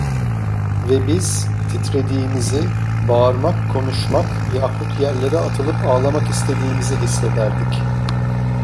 Ve biz titrediğimizi, bağırmak, konuşmak, yahut yerlere atılıp ağlamak istediğimizi hissederdik…